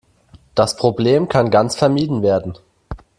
Das Problem kann ganz vermieden werden.